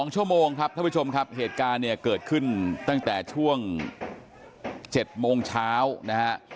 ๒ชั่วโมงครับท่านผู้ชมครับเหตุการณ์เนี่ยเกิดขึ้นตั้งแต่ช่วง๗โมงเช้านะฮะ